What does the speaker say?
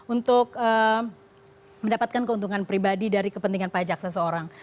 untuk mendapatkan keuntungan pribadi dari kepentingan pajak seseorang